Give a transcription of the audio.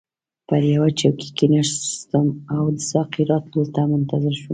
پر یوه چوکۍ کښیناستم او د ساقي راتلو ته منتظر شوم.